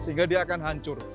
sehingga dia akan hancur